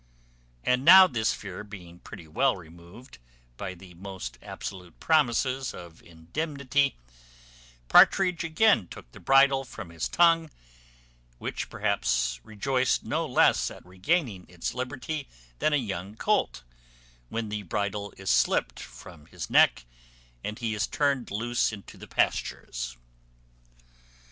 And now this fear being pretty well removed, by the most absolute promises of indemnity, Partridge again took the bridle from his tongue; which, perhaps, rejoiced no less at regaining its liberty, than a young colt, when the bridle is slipt from his neck, and he is turned loose into the pastures.